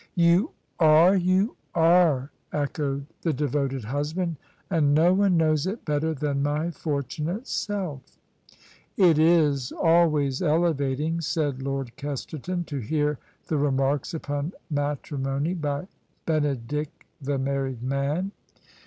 "You are, you are! " echoed the devoted husband: "and no one knows it better than my fortunate self." " It is always elevating," safd Lord Kesterton, " to hear the remarks upon matrimony by Benedick the married man."